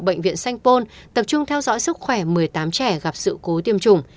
bệnh viện sanh pôn tập trung theo dõi sức khỏe một mươi tám trẻ gặp sự cố tiêm chủng